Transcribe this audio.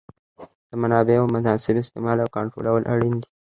د منابعو مناسب استعمال او کنټرولول اړین دي.